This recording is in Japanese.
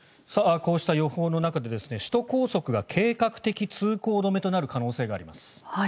こうした予報の中で首都高速が計画的通行止めとなる可能性があります。